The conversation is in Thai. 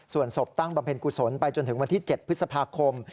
ส่วนศพตั้งบำเพ็ญกุศลไปจนถึงวันที่๗พฤษภาคม